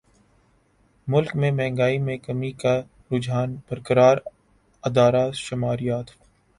ملک میں مہنگائی میں کمی کا رجحان برقرار ادارہ شماریات